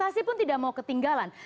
pasti pun tidak mau ketinggalan